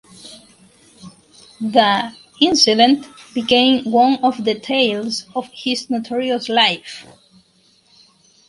The incident became one of the tales of his notorious life.